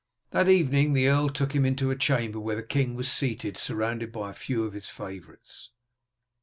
That evening the earl took him into a chamber, where the king was seated surrounded by a few of his favourites.